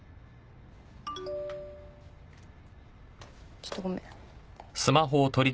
ちょっとごめん。